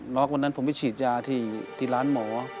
อกวันนั้นผมไปฉีดยาที่ร้านหมอ